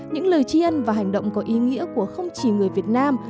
những lời chi ân và hành động có ý nghĩa của không chỉ người việt nam